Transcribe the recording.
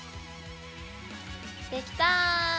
できた！